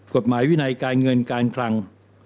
กฎหมายวินัยการเงินการคลัง